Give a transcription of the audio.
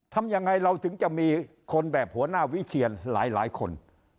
ทำยังไงเราถึงจะมีคนแบบหัวหน้าวิเชียนหลายคน